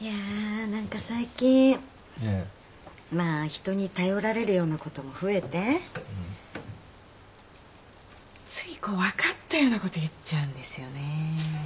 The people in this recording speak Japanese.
人に頼られるようなことも増えてついこう分かったようなこと言っちゃうんですよね。